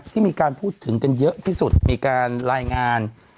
ที่มีการพูดถึงกันเยอะที่สุดมีการรายงาน